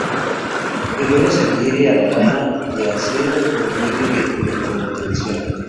El oro se adhiere a lana de acero por medio de electro-obtención.